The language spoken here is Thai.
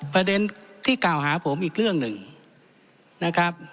ประเด็นที่กล่าวหาผมอีกเรื่องหนึ่งนะครับ